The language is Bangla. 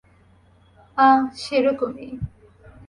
আঃ, সেরকমই।